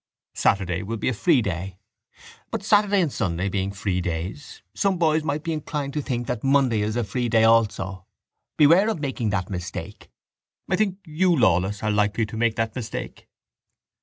Saturday will be a free day. But Saturday and Sunday being free days some boys might be inclined to think that Monday is a free day also. Beware of making that mistake. I think you, Lawless, are likely to make that mistake.